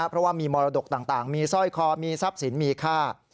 เพราะว่ามีมรดกต่างมีสร้อยคอมีทรัพย์สินมีค่า